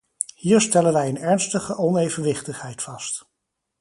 Hier stellen wij een ernstige onevenwichtigheid vast.